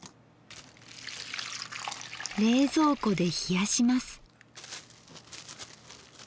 冷蔵庫で冷やします。